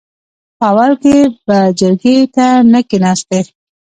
په اول کې به جرګې ته نه کېناستې .